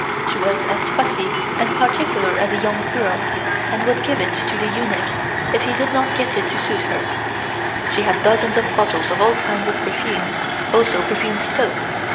She was as fussy and particular as a young girl and would give it to the eunuch if he did not get it just to suit her. She had dozens of bottles of all kinds of perfume, also perfumed soap.